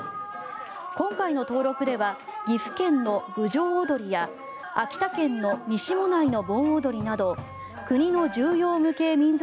今回の登録では岐阜県の郡上踊や秋田県の西馬音内の盆踊など国の重要無形民俗